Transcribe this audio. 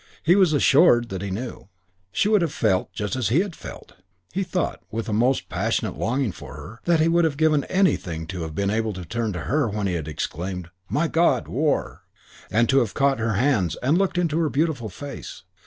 He was assured that he knew. She would have felt just as he had felt. He thought, with a most passionate longing for her, that he would have given anything to have been able to turn to her when he had exclaimed, "My God, war", and to have caught her hands and looked into her beautiful face.